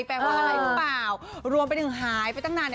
แปลว่าอะไรหรือเปล่า